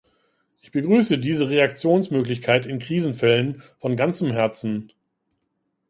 Ich begrüße diese Reaktionsmöglichkeit in Krisenfällen von ganzem Herzen.